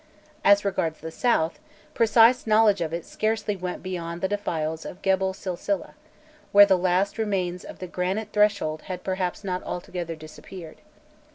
As regards the south, precise knowledge of it scarcely went beyond the defiles of Gebel Sil sileh, where the last remains of the granite threshold had perhaps not altogether disappeared.